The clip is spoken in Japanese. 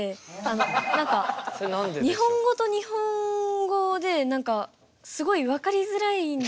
何か日本語と日本語で何かすごい分かりづらいんですよ。